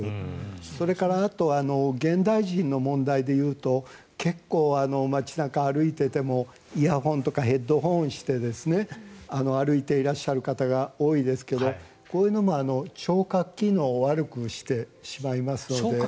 それからあとは現代人の問題でいうと結構、街中を歩いていてもイヤホンとかヘッドホンをして歩いていらっしゃる方が多いですけどこういうのも聴覚機能を悪くしてしまいますので。